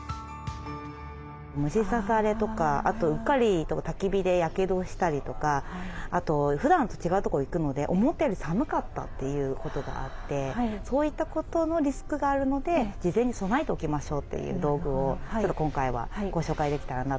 虫刺されとかあとうっかりたき火でやけどしたりとかあとふだんと違うとこ行くので思ったより寒かったっていうことがあってそういったことのリスクがあるので事前に備えておきましょうという道具をちょっと今回はご紹介できたらなと思ってます。